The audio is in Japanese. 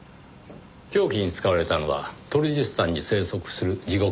凶器に使われたのはトルジスタンに生息するジゴクバチ。